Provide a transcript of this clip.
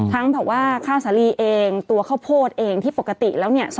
บอกว่าข้าวสาลีเองตัวข้าวโพดเองที่ปกติแล้วเนี่ย